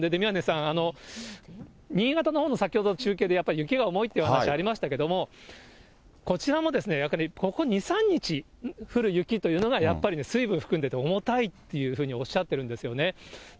宮根さん、新潟のほうの、先ほど中継でやっぱり、雪が重いという話ありましたけれども、こちらもですね、ここ２、３日降る雪というのが、やっぱりね、水分含んでて重たいっていうふうにおっしゃってるんですよね。